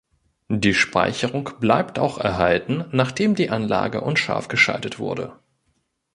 Die Speicherung bleibt auch erhalten, nachdem die Anlage unscharf geschaltet wurde.